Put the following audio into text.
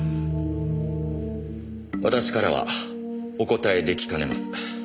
私からはお答え出来かねます。